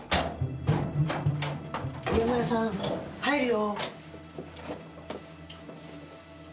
宮村さん入るよ。